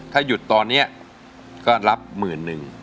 ถ้าหยุดตอนนี้ก็รับหมื่นหนึ่ง